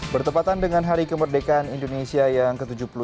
bertepatan dengan hari kemerdekaan indonesia yang ke tujuh puluh tiga